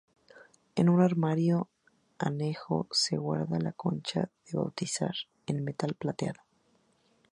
En un armario anejo se guarda la concha de bautizar, en metal plateado.